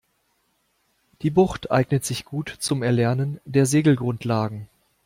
Die Bucht eignet sich gut zum Erlernen der Segelgrundlagen.